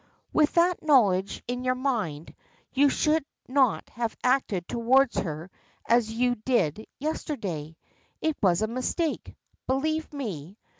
"With that knowledge in your mind, you should not have acted towards her as you did yesterday. It was a mistake, believe me.